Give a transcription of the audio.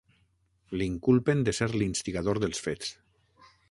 L'inculpen de ser l'instigador dels fets.